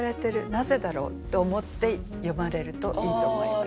なぜだろう？」って思って読まれるといいと思います。